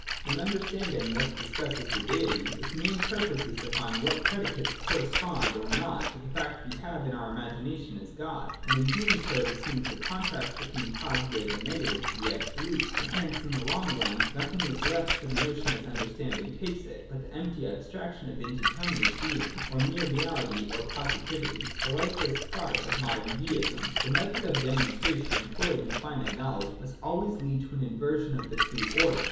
(a) When understanding thus discusses the Deity, its main purpose is to find what predicates correspond or not to the fact we have in our imagination as God. And in so doing it assumes the contrast between posi tive and negative to be absolute ; and hence, in the long run, nothing is left for the notion as understanding takes it, but the empty abstraction of indeterminate Being, of mere reality or positivity, the lifeless product of modern 'Deism.' (6) The method of demonstration employed in finite knowledge must always lead to an inversion of the true order.